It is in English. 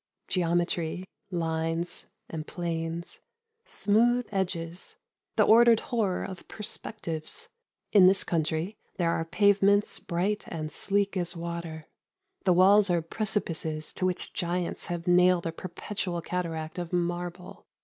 Geometry, lines and planes, smooth edges, the ordered horror of perspectives. In this country there are pavements bright and sleek as water. The walls are precipices to which giants have nailed a perpetual cataract of marble.